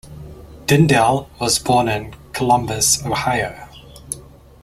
Dindal was born in Columbus, Ohio.